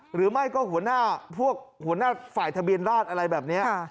หรือไม่ก็หัวหน้าฝ่ายทะเบียนราชอะไรแบบนี้